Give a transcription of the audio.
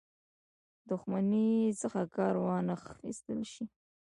دښمنۍ څخه کار وانه خیستل شي.